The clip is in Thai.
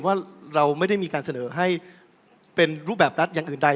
ว่าเราไม่ได้มีการเสนอให้เป็นรูปแบบรัฐอย่างอื่นใด